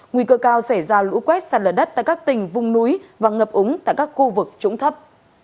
nguy cơ cao xảy ra lũ quét sạt lở đất tại các tỉnh vùng núi và ngập úng tại các khu vực trũng thấp